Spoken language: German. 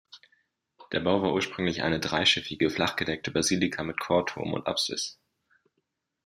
Der Bau war ursprünglich eine dreischiffige flachgedeckte Basilika mit Chorturm und Apsis.